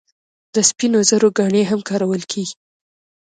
د سپینو زرو ګاڼې هم کارول کیږي.